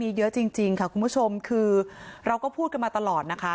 มีเยอะจริงค่ะคุณผู้ชมคือเราก็พูดกันมาตลอดนะคะ